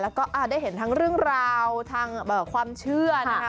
แล้วก็ได้เห็นทั้งเรื่องราวทางความเชื่อนะคะ